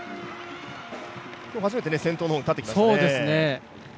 今日初めて先頭の方、立ってきましたね。